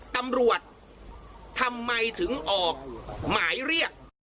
ตำรวจทำไมถึงออกหมายเรียก